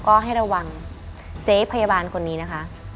ก็ให้ระวังเจ๊พยาบาลคนนี้นะคะ